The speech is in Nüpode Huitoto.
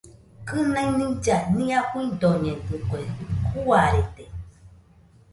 Kɨnai nilla nia fuidoñedɨkue, juarede.